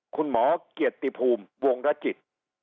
คุณหมอเกียรติภูมิวงรจิต